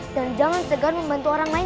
dan jangan segar membantu orang lain